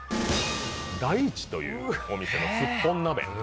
大市というお店のすっぽん鍋。